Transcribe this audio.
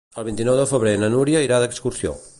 El vint-i-nou de febrer na Núria irà d'excursió.